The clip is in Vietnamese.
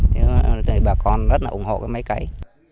thế bà con rất là ủng hộ cái máy cấy